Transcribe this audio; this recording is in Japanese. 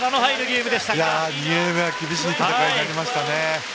２ゲーム目は厳しい戦いになりましたね。